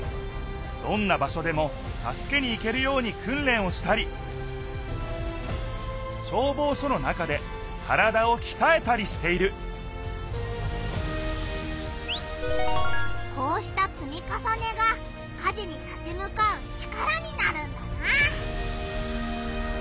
どんな場しょでも助けに行けるように訓練をしたり消防署の中で体をきたえたりしているこうしたつみかさねが火事に立ち向かう力になるんだな！